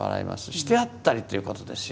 してやったりということですよ。